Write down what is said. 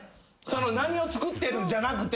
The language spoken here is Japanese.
その何を作ってるじゃなくて。